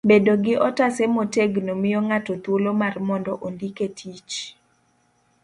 bedo gi otase motegno miyo ng'ato thuolo mar mondo ondike tich.